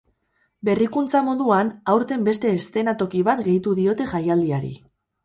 Berrikuntza moduan, aurten beste eszenatoki bat gehitu diote jaialdiari.